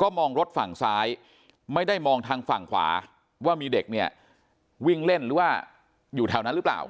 ก็มองรถฝั่งซ้ายไม่ได้มองทางฝั่งขวาว่ามีเด็กเนี่ยวิ่งเล่นหรือว่าอยู่แถวนั้นหรือเปล่า